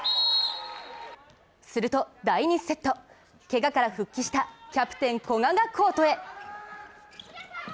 すると第２セット、けがから復帰したキャプテン・古賀がコートへ。